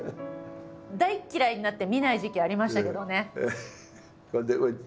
大っ嫌いになって見ない時期ありましたけどね。